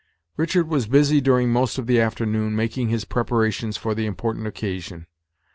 Richard was busy during most of the afternoon, making his preparations for the important occasion.